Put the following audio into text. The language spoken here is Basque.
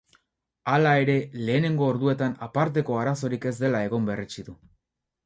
Hala ere, lehenengo orduetan aparteko arazorik ez dela egon berretsi du.